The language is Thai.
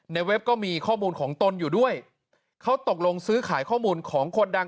เว็บก็มีข้อมูลของตนอยู่ด้วยเขาตกลงซื้อขายข้อมูลของคนดัง